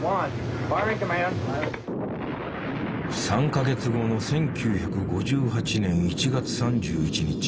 ３か月後の１９５８年１月３１日。